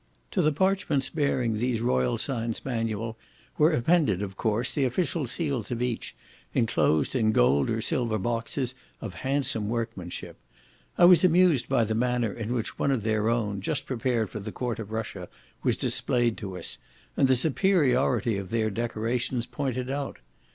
To the parchments bearing these royal signs manual were appended, of course, the official seals of each, enclosed in gold or silver boxes of handsome workmanship: I was amused by the manner in which one of their own, just prepared for the court of Russia, was displayed to us, and the superiority of their decorations pointed out.